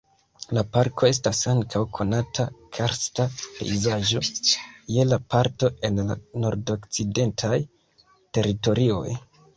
La parko estas ankaŭ konata karsta pejzaĝo je la parto en la Nordokcidentaj Teritorioj.